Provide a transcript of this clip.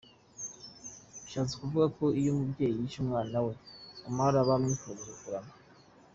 Bishatse kuvuga ko iyo umubyeyi yise umwana we Omar aba amwifurije kurama.